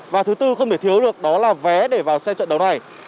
và thứ tư không thể thiếu được đó là vé để vào xe trận đấu này